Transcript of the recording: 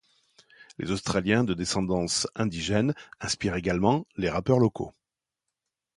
Les australiens de descendances indigènes inspirent également les rappeurs locaux.